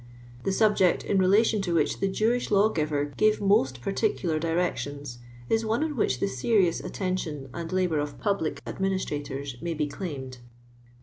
" The subject, in relation to which the Jewish lawgiver gave most paiticular directions, is one on wiiiih the serious attention and labour of public udminibtnitors may i>e claimed."